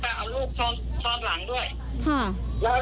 ก่อนหน้าสู่คนชนทั้งหลายได้ยินใช่ไหม